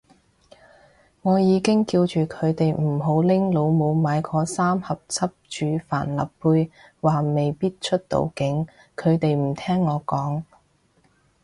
我已經叫住佢哋唔好拎老母買嗰三盒汁煮帆立貝，話未必出到境，佢哋唔聽我講